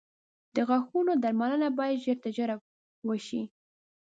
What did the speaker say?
• د غاښونو درملنه باید ژر تر ژره وشي.